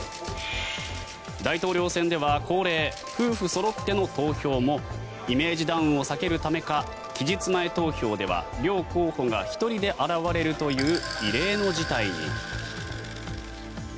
大統領選では恒例夫婦そろっての投票もイメージダウンを避けるためか期日前投票では両候補が１人で現れるという異例の事態に。